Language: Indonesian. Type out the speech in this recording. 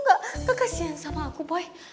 gak kakasian sama aku boy